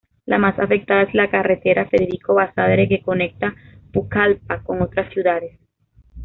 La más afectada es la carretera Federico Basadre, que conecta Pucallpa con otras ciudades.